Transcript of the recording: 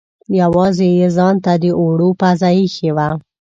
یوازې یې ځانته د اوړو پزه اېښې وه.